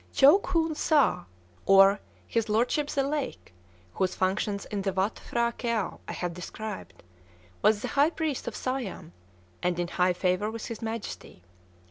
Chow Khoon Sâh, or "His Lordship the Lake," whose functions in the Watt P'hra Këau I have described, was the High Priest of Siam, and in high favor with his Majesty.